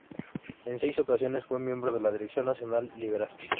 En seis ocasiones fue miembro de la dirección Nacional Liberal.